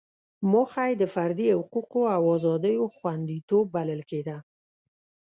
موخه یې د فردي حقوقو او ازادیو خوندیتوب بلل کېده.